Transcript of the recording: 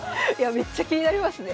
めっちゃ気になりますね。